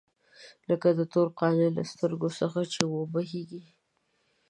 لکه د تور قانع له سترګو څخه چې وبهېدې.